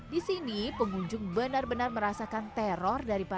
di sini pengunjung benar benar merasakan teror